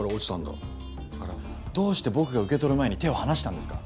だからどうして僕が受け取る前に手を離したんですか。